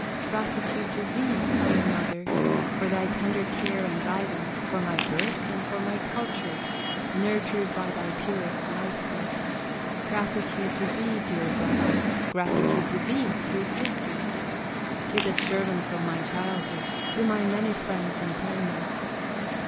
Gratitude to thee, dear mother, For thy tender care and guidance, For my birth and for my culture, Nurtured by thy purest life blood! Gratitude to thee, dear brother, Gratitude to thee, sweet sister, To the servants of my childhood, To my many friends and playmates!